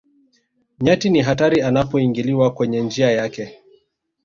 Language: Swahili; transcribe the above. nyati ni hatari anapoingiliwa kwenye njia yake